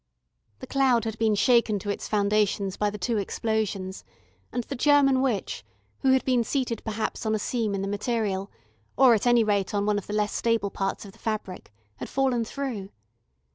The cloud had been shaken to its foundations by the two explosions, and the German witch, who had been seated perhaps on a seam in the material, or at any rate on one of the less stable parts of the fabric, had fallen through.